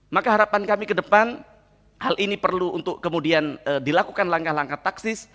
maka harapan kami ke depan hal ini perlu untuk kemudian dilakukan langkah langkah taksis